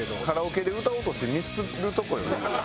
カラオケで歌おうとしてミスるとこよ。